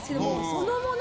そのもの